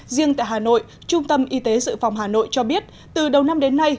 riêng tại hà nội trung tâm y tế dự phòng hà nội cho biết từ đầu năm đến nay